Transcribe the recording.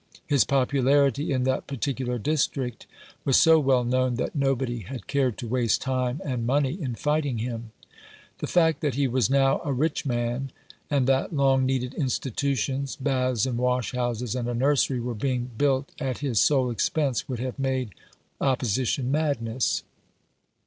His popularity in that particular district was so well known that nobody had cared to waste time and money in fighting him. The fact that he was now a rich man, and that long needed institutions — baths and wash houses, and a nursery — were being 306 What he Meant to Do. built at his sole expense would have made oppo sition madness.